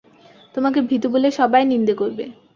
তোমাকে ভীতু বলে সবাই নিন্দে করবে।